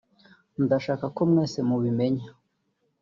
“Ndashaka ko mwese mubimenya